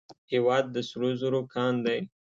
هیواد د سرو زرو کان دی